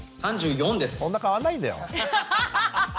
そんな変わんないんだよ。